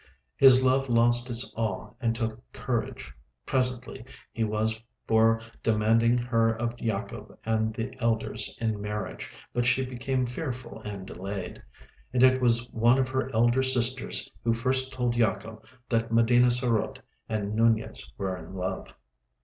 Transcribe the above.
His love lost its awe and took courage. Presently he was for demanding her of Yacob and the elders in marriage, but she became fearful and delayed. And it was one of her elder sisters who first told Yacob that Medina sarote and Nunez were in love.